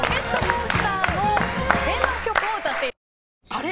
あれ？